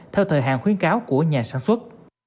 theo thời hạn khuyến cáo của nhà sản xuất